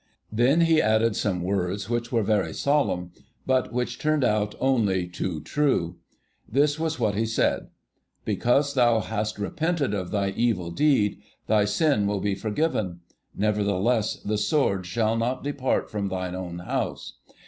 Then he added some words which were very solemn, but which turned out only too true. This was what he said: 'Because thou hast repented of thy evil deed thy sin will be forgiven; nevertheless, the sword shall not depart from thine house.